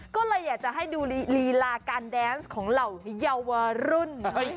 ก็เลยอยากจะให้ดูลีลาการแดนส์ของเหล่าเยาวรุ่น